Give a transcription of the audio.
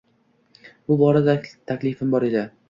Bu borada taklifim bor edi.